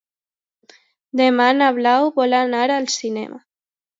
Demà na Blau vol anar al cinema.